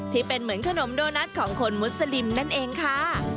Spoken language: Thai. ที่เป็นเหมือนขนมโดนัทของคนมุสลิมนั่นเองค่ะ